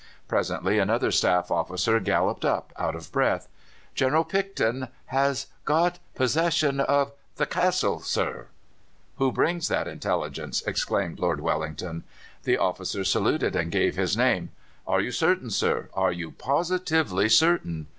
"Presently another staff officer galloped up, out of breath. "'General Picton has got possession of the castle, sir.' "'Who brings that intelligence?' exclaimed Lord Wellington. "The officer saluted and gave his name. "'Are you certain, sir are you positively certain?